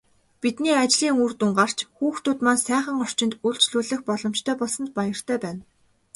Бидний ажлын үр дүн гарч, хүүхдүүд маань сайхан орчинд үйлчлүүлэх боломжтой болсонд баяртай байна.